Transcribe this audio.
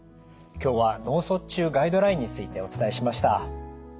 今日は脳卒中ガイドラインについてお伝えしました。